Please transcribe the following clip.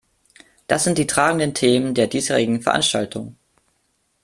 Das sind die tragenden Themen der diesjährigen Veranstaltung.